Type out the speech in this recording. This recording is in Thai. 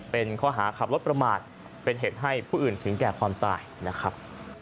เป็นข้อหาขับรถประมาทเป็นเหตุให้ผู้อื่นถึงแก่ความตายนะครับ